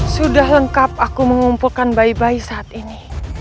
sudah lengkap aku mengumpulkan bayi bayi saat ini